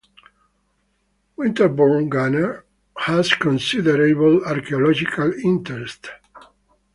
Winterbourne Gunner has considerable archaeological interest.